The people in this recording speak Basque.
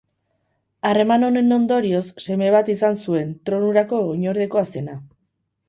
Harreman honen ondorioz, seme bat izan zuen, tronurako oinordekoa zena.